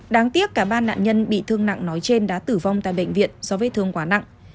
đáng tiếc cả ba nạn nhân bị thương nặng nói trên đã tử vong tại bệnh viện do vết thương quá nặng